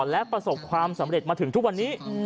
และประสบความสำเร็จมาถึงทุกวันนี้